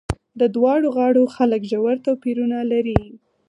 د دواړو غاړو خلک ژور توپیرونه لري.